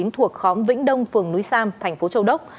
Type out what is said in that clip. thuộc khóm vĩnh đông phường núi sam thành phố châu đốc